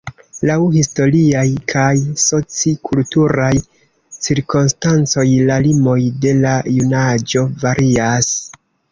Laŭ historiaj kaj soci-kulturaj cirkonstancoj la limoj de la junaĝo varias.